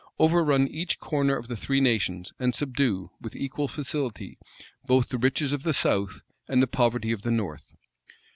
Overrun each corner of the three nations, and subdue, with equal facility, both the riches of the south and the poverty of the north?